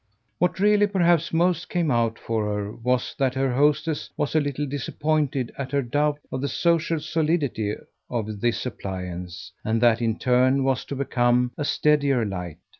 What really perhaps most came out for her was that her hostess was a little disappointed at her doubt of the social solidity of this appliance; and that in turn was to become a steadier light.